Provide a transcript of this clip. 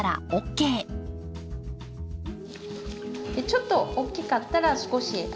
ちょっと大きかったら少し。